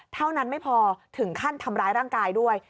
เท่านั้นไม่พอถึงขั้นทำร้ายร่างกายด้วย